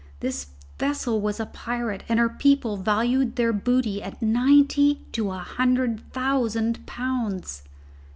This vessel was a pirate, and her people valued their booty at ninety to a hundred thousand pounds."